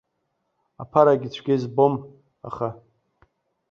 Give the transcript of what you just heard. Аԥарагьы цәгьа избом, аха.